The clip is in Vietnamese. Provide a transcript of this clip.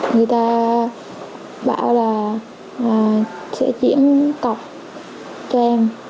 người ta bảo là sẽ chuyển cọc cho em